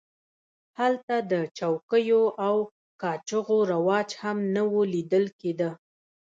هلته د چوکیو او کاچوغو رواج هم نه و لیدل کېده.